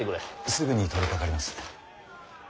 すぐに取りかかります。